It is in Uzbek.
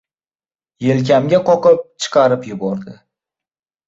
Elkamga qoqib chiqarib yubordi.